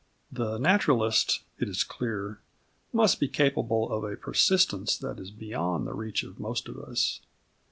The naturalist, it is clear, must be capable of a persistence that is beyond the reach of most of us.